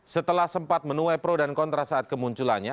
setelah sempat menuai pro dan kontra saat kemunculannya